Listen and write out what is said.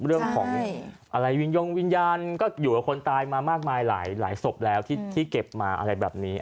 เรื่องของอะไรวิญญงวิญญาณก็อยู่กับคนตายมามากมายหลายศพแล้วที่เก็บมาอะไรแบบนี้